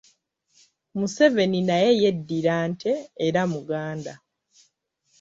Museveni naye yeddira Nte era Muganda.